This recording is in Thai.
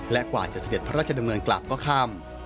และกว่าจะเสด็จพระราชดำเนินกลับก็ค่ำ